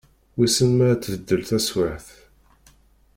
Wissen ma ad tbeddel teswiɛt?